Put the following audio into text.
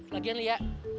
lagian li ya